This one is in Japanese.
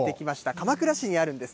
鎌倉市にあるんです。